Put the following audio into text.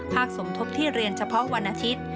ภาคสมทบที่เรียนเฉพาะวันอาชิต